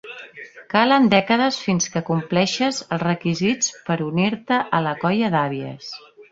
Calen dècades fins que compleixes els requisits per unir-te a la colla d'àvies.